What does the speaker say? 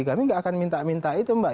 kami nggak akan minta minta itu mbak